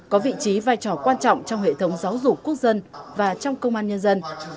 có vị trí vai trò quan trọng trong hệ thống giáo dục quốc dân và trong công an nhân dân